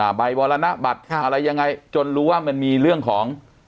ใบมรณบัตรอะไรยังไงจนรู้ว่ามันมีเรื่องของ